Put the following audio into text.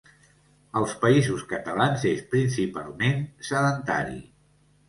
Als Països Catalans és, principalment, sedentari.